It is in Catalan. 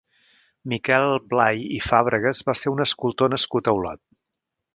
Miquel Blay i Fàbregas va ser un escultor nascut a Olot.